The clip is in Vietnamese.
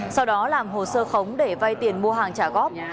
sau đó làm hồ sơ khống để vay tiền mua hàng trả góp